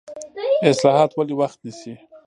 اصلاحات ولې وخت نیسي؟